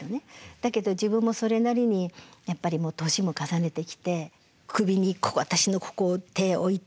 だけど自分もそれなりにやっぱり年も重ねてきて「首に私のここを手置いて。